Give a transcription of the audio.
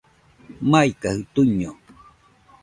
Maikajɨ tuiño